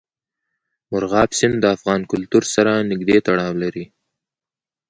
مورغاب سیند د افغان کلتور سره نږدې تړاو لري.